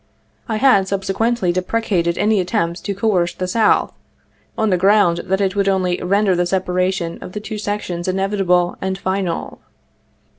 I had subsequently deprecated any attempt to coerce the South, on the ground that it would only render the separation of the two sections inev itable and final.